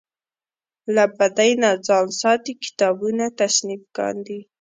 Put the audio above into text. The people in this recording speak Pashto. له بدۍ نه ځان ساتي کتابونه تصنیف کاندي.